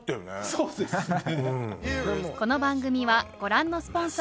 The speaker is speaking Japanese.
そうですよね。